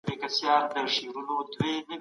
که درسونه په وخت ورکړل سي، فشار نه زیاتېږي.